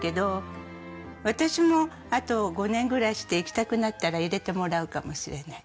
私もあと５年ぐらいして行きたくなったら入れてもらうかもしれない。